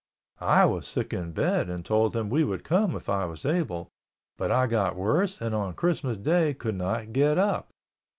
I was sick in bed and told him we would come if I was able, but I got worse and on Christmas day could not get up.